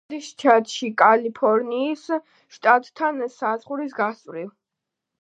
მდებარეობს ნევადის შტატში, კალიფორნიის შტატთან საზღვრის გასწვრივ.